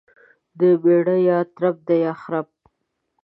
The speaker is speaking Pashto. دميړه يا ترپ دى يا خرپ.